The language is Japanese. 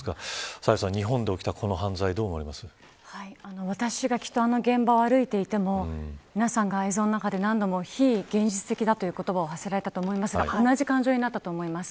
サヘルさん、日本で起きた私があの現場を歩いていても皆さんが映像の中で非現実的という言葉を何度も発せられたと思いますが同じ感情になったと思います。